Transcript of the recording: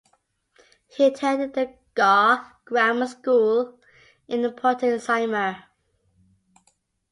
He attended the Garw Grammar school in Pontycymer.